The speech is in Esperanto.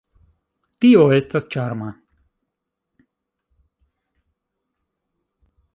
Tio estas ĉarma.